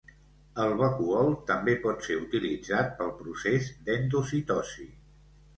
El vacúol també pot ser utilitzat pel procés d'endocitosi.